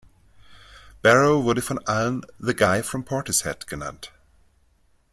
Barrow wurde von allen „the guy from Portishead“ genannt.